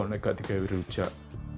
enggak digayain rujak